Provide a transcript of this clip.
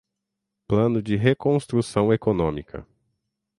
Plano de reconstrução econômica